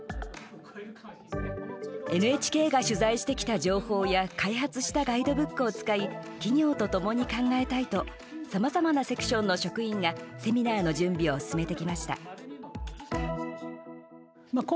ＮＨＫが取材してきた情報や開発したガイドブックを使い企業とともに考えたいとさまざまなセクションの職員がセミナーの準備を進めてきました。